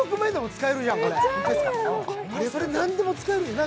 それ、何でも使えるじゃない。